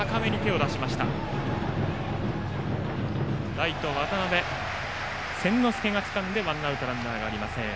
ライト、渡邉千之亮がつかんでワンアウトランナーありません。